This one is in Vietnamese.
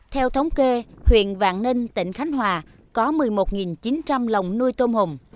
theo thống kê huyện vạn ninh tỉnh khánh hòa có một mươi một chín trăm linh lồng nuôi tôm hùm